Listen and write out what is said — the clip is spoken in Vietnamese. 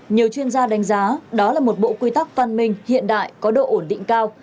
nhiều chuyên gia đánh giá đó là một bộ quy tắc văn minh hiện đại có độ ổn định cao